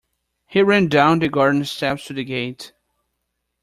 He ran down the garden steps to the gate.